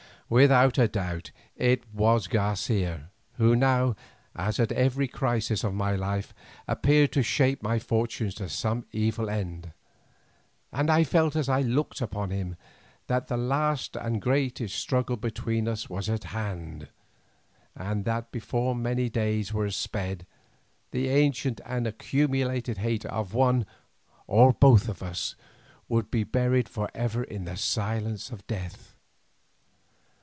Without a doubt it was de Garcia, who now, as at every crisis of my life, appeared to shape my fortunes to some evil end, and I felt as I looked upon him that the last and greatest struggle between us was at hand, and that before many days were sped, the ancient and accumulated hate of one or of both of us would be buried for ever in the silence of death.